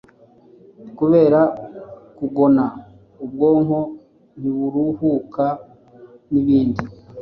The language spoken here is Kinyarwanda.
Kubera kugona ubwonko ntiburuhuka, n’ibindi.